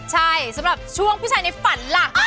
ใช่สำหรับช่วงผู้ชายในฝันล่ะ